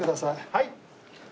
はい。